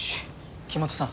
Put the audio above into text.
黄本さん。